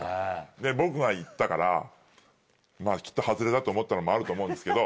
で僕が行ったからきっと外れだと思ったのもあると思うんですけど。